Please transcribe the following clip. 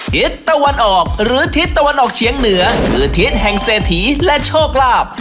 ทิศตะวันออกหรือทิศตะวันออกเฉียงเหนือคือทิศแห่งเศรษฐีและโชคลาภ